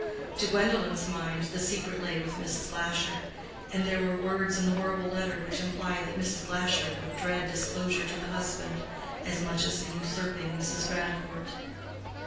To Gwendolen's mind the secret lay with Mrs. Glasher, and there were words in the horrible letter which implied that Mrs. Glasher would dread disclosure to the husband, as much as the usurping Mrs. Grandcourt.